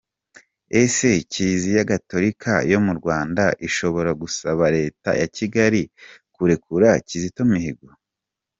Ese Kiriziya Gatorika yo mu Rwanda ishobora gusaba Leta ya Kigali kurekura Kizito Mihigo ?